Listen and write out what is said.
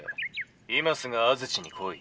今すぐ安土に来い」。